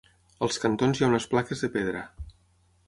Als cantons hi ha unes plaques de pedra.